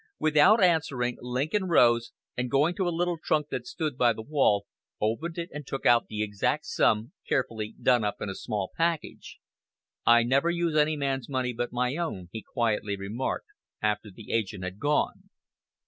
Without answering, Lincoln rose, and going to a little trunk that stood by the wall, opened it and took out the exact sum, carefully done up in a small package. "I never use any man's money but my own," he quietly remarked, after the agent had gone.